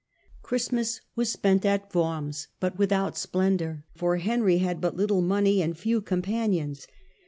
Christmas was spent at Worms, but without any splendour, for Henry had but little money and few companions.